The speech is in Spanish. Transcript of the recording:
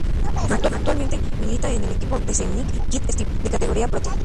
Actualmente milita en el equipo Deceuninck-Quick Step, de categoría ProTeam.